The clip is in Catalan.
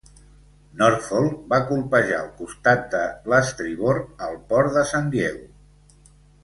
"Norfolk" va colpejar el costat de l"estribord al port de "San Diego".